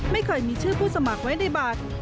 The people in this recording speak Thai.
ไม่เคยมีชื่อผู้สมัครไว้ในบัตร